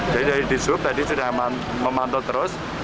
jadi dari disub tadi sudah memantau terus